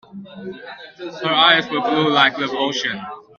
Her eyes were blue like the ocean.